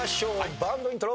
バンドイントロ。